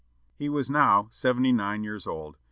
He was now seventy nine years old.